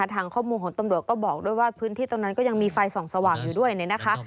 ทางข้อมูลของตำรวจก็บอกด้วยว่าพื้นที่ตรงนั้นก็ยังมีไฟส่องสว่างอยู่ด้วยเนี่ยนะคะ